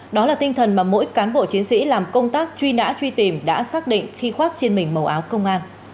đó là tinh thần mà mỗi cán bộ chiến sĩ làm công tác truy nã truy tìm đã xác định khi khoác trên mình màu áo công an